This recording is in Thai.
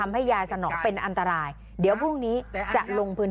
ไม่อยากให้แม่เป็นอะไรไปแล้วนอนร้องไห้แท่ทุกคืน